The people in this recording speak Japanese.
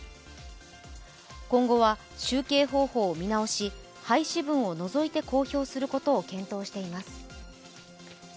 今後は集計方法を見直し廃止分を除いて公表することを検討しています。